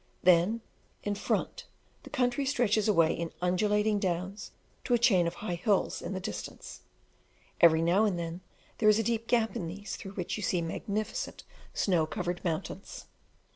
Then, in front, the country stretches away in undulating downs to a chain of high hills in the distance: every now and then there is a deep gap in these, through which you see magnificent snow covered mountains.